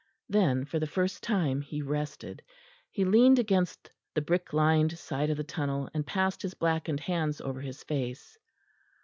Then for the first time he rested; he leaned against the brick lined side of the tunnel and passed his blackened hands over his face.